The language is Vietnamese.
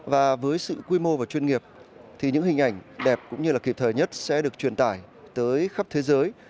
và với sự quy mô và chuyên nghiệp thì những hình ảnh đẹp cũng như là kịp thời nhất sẽ được truyền tải tới khắp thế giới